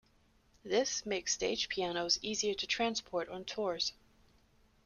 This makes stage pianos easier to transport on tours.